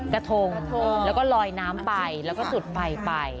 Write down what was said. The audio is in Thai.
กระทงเหมือนการลอยน้ำไปแล้วก็สุดไฟไป